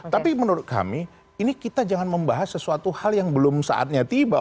tapi menurut kami ini kita jangan membahas sesuatu hal yang belum saatnya tiba